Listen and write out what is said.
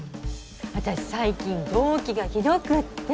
あたし最近動悸がひどくって。